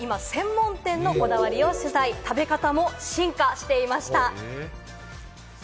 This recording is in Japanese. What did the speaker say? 専門店のこだわりを取材、食べ方も進化していました。